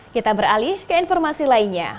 kita beralih ke informasi lainnya